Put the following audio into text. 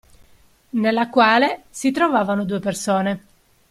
Nella quale si trovavano due persone.